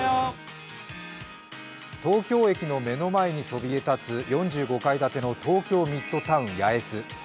東京駅の目の前にそびえ立つ４５階建ての東京ミッドタウン八重洲。